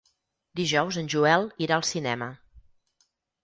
Dijous en Joel irà al cinema.